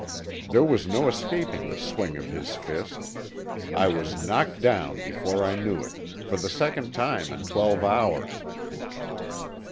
There was no escaping the swing of his fist. I was knocked down before I knew it, for the second time in twelve hours.